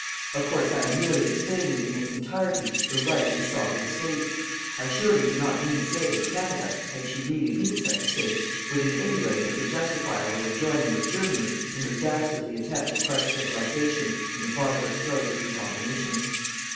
Of course, I am merely explaining in its entirety the Right of a Sovereign State. I surely do not mean to say that Canada, had she really been such a State, would in any way have been justifiable in joining with Germany in her dastardly attempt to crush Civilization in the barbarous throes of her domination.